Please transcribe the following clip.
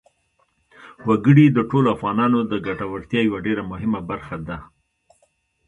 وګړي د ټولو افغانانو د ګټورتیا یوه ډېره مهمه برخه ده.